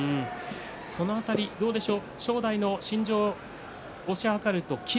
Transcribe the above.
その辺りどうでしょうか。